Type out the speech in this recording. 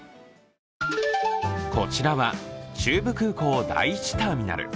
こちらは中部空港第一ターミナル。